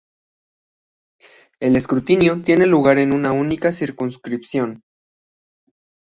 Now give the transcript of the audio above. El escrutinio tiene lugar en una única circunscripción.